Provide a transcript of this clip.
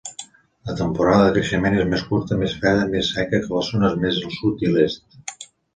La temporada de creixement és més curta, més freda, més seca que les zones més al sud i l'est.